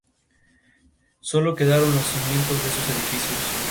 Dispone de biblioteca, casino y un sector deportivo con gimnasio.